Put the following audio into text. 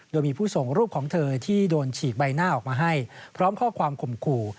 โดยมีผู้ส่งรูปของเธอที่โดนฉีกใบหน้าออกมาให้พร้อมข้อความข่มขู่